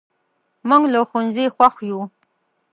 موږ له ښوونځي خوښ یو.